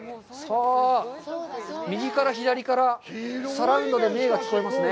右から、左から、サラウンドで“メェ”が聞こえますね。